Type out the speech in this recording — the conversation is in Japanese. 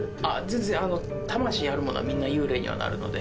全然魂ある者はみんな幽霊にはなるので。